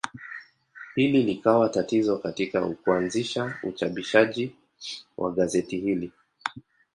Hili likawa tatizo katika kuanzisha uchapishaji wa gazeti hili.